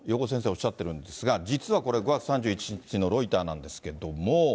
おっしゃってるんですが、実はこれ、５月３１日のロイターなんですけれども。